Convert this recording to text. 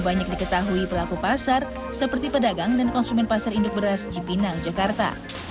banyak diketahui pelaku pasar seperti pedagang dan konsumen pasar induk beras cipinang jakarta